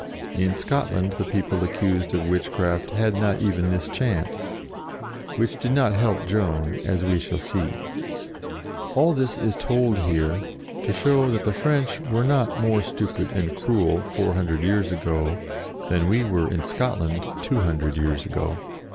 In Scotland the people accused of witchcraft had not even this chance, which did not help Joan, as we shall see. CAPTIVITY 93 All this is told here, to show that the French were not more stupid and cruel four hundred years ago, than we were in Scotland, two hundred years ago.